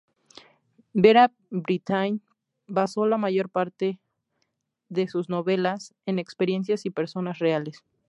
Vera Brittain basó la mayor parte de sus novelas en experiencias y personas reales.